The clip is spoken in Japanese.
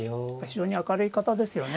非常に明るい方ですよね。